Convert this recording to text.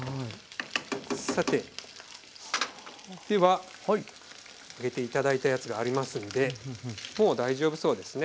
さてでは揚げて頂いたやつがありますんでもう大丈夫そうですね。